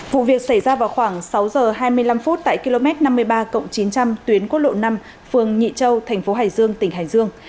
vụ việc xảy ra vào khoảng sáu giờ hai mươi năm phút tại km năm mươi ba chín trăm linh tuyến quốc lộ năm phường nhị châu thành phố hải dương tỉnh hải dương